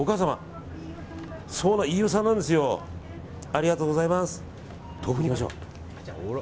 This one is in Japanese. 飯尾さんなんですよ。ありがとうございます。